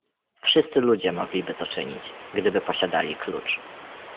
"„Wszyscy ludzie mogliby to czynić, gdyby posiadali klucz."